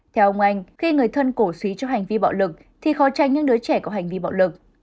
theo ông anh khi người thân cổ suý cho hành vi bạo lực thì khó tránh những đứa trẻ có hành vi bạo lực